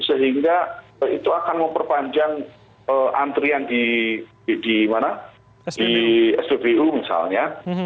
sehingga itu akan memperpanjang antrian di spbu misalnya